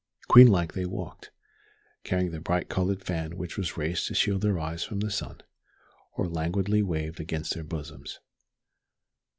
Queen like they walked, carrying the bright colored fan which was raised to shield their eyes from the sun, or languidly waved against their bosoms.